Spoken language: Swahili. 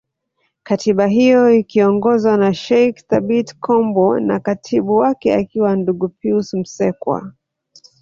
Katiba hiyo ikiongozwa na Sheikh Thabit Kombo na Katibu wake akiwa Ndugu Pius Msekwa